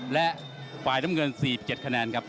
และฝ่ายดำเงิน๔๗คะแนน